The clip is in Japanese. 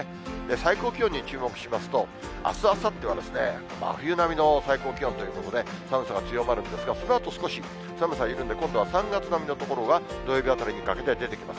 最高気温に注目しますと、あす、あさっては真冬並みの最高気温ということで、寒さが強まるんですが、そのあと、少し寒さ緩んで、今度は３月並みの所が土曜日あたりにかけて出てきます。